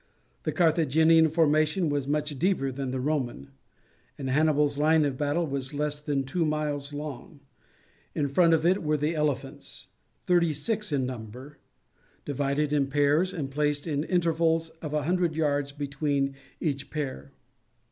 The Carthaginian formation was much deeper than the Roman, and Hannibal's line of battle was less than two miles long. In front of it were the elephants, thirty six in number, divided in pairs, and placed in intervals of a hundred yards between each pair.